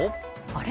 あれ？